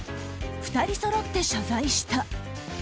２人そろって謝罪した。